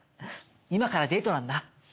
今からデートなんだ。